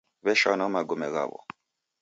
W'eshanwa magome ghaw'o